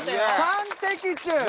３的中。